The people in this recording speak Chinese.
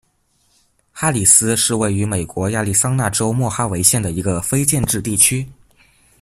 哈里斯是位于美国亚利桑那州莫哈维县的一个非建制地区。